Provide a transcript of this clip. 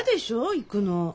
行くの。